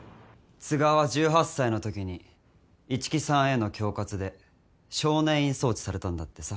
都賀は１８歳のときに一木さんへの恐喝で少年院送致されたんだってさ。